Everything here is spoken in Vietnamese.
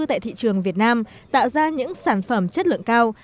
tại thị trường việt nam tạo ra những sản phẩm chất lượng cao